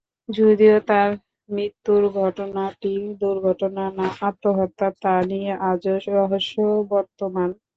যদিও তার মৃত্যুর ঘটনাটি দুর্ঘটনা না আত্মহত্যা তা নিয়ে আজও রহস্য বর্তমান।